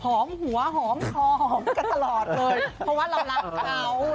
หอมหัวหอมคอหอมกันตลอดเลยเพราะว่าเรารักเขา